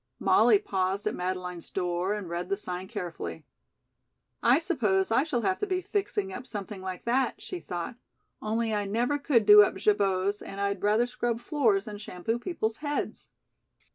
Molly paused at Madeleine's door and read the sign carefully. "I suppose I shall have to be fixing up something like that," she thought, "only I never could do up jabots and I'd rather scrub floors than shampoo people's heads."